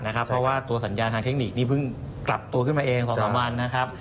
เพราะว่าตัวสัญญาทางเทคนิคนี่เพิ่งกลับตัวขึ้นมาเอง๒๓วันนะครับ